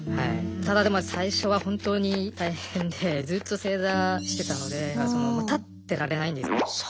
ただでも最初は本当に大変でずっと正座してたので立ってられないんです。